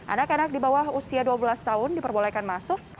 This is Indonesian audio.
anak anak di bawah usia dua belas tahun diperbolehkan masuk